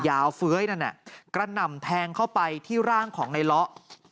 ยาวเฟ้ยนั่นกระหน่ำแทงเข้าไปที่ร่างของนายล๊อก